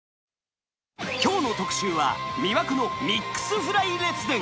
きょうの特集は、魅惑のミックスフライ列伝！